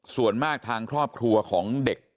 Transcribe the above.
ส่วนมากทางครอบครัวของเด็ก